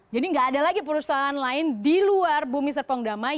jadi tidak ada lagi perusahaan lain di luar bumi serpong damai